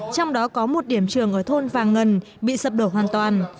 trong đó có một điểm trường ở thôn vàng ngân bị sập đổ hoàn toàn